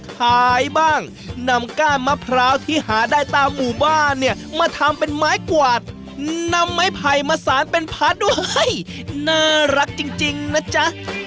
ขายบ้างนำก้านมะพร้าวที่หาได้ตามหมู่บ้านเนี่ยมาทำเป็นไม้กวาดนำไม้ไผ่มาสารเป็นพระด้วยน่ารักจริงนะจ๊ะ